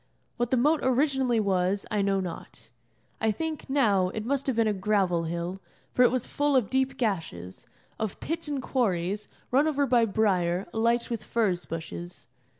What the moat originally was I know not. I think, now, it must have been a gravel hill, for it was full of deep gashes, of pits and quarries, run over by briar, alight with furze bushes.